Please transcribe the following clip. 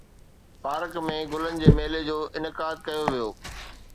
park ۾ گلن جي ميلي جو انعقاد ڪيو ويو